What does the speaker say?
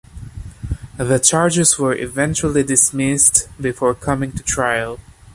The charges were eventually dismissed before coming to trial.